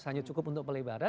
hanya cukup untuk pelebaran